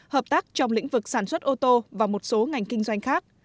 hợp tác trong lĩnh vực sản xuất ô tô và một số ngành kinh doanh khác